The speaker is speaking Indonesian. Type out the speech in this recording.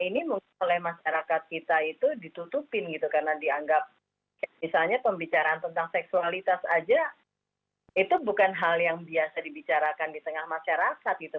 ini mungkin oleh masyarakat kita itu ditutupin gitu karena dianggap misalnya pembicaraan tentang seksualitas aja itu bukan hal yang biasa dibicarakan di tengah masyarakat gitu